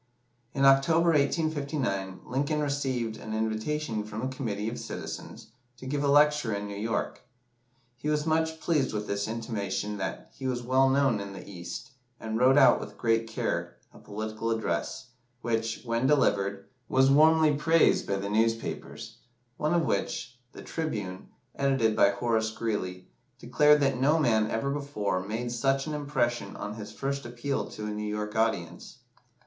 In October, 1859, Lincoln received an invitation from a committee of citizens to give a lecture in New York. He was much pleased with this intimation that he was well known in "the East," and wrote out with great care a political address, which, when delivered, was warmly praised by the newspapers, one of which, the "Tribune," edited by Horace Greeley, declared that no man ever before made such an impression on his first appeal to a New York audience.